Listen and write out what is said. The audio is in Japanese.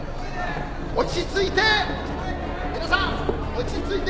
落ち着いて！